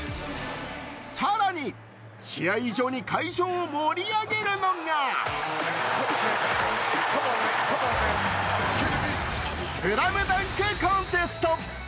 更に試合以上に会場を盛り上げるのがスラムダンクコンテスト。